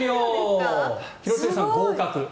廣津留さん合格。